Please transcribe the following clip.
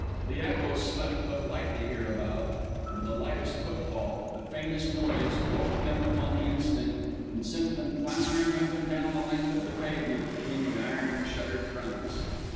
The echoes slept but lightly hereabouts, and the slightest footfall, the faintest noise, woke them upon the instant and sent them clamouring up and down the length of the pavement between the iron shuttered fronts.